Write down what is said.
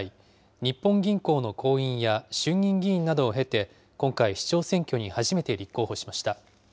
日本銀行の行員や衆議院議員などを経て、今回、市長選挙に初めて立候補しました。